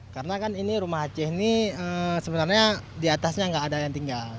karena kan ini rumah h c ini sebenarnya di atasnya enggak ada yang tinggal